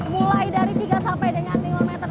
mulai dari tiga sampai dengan lima meter